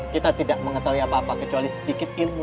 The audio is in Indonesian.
kita tidak mengetahui apa apa kecuali sedikit ilmu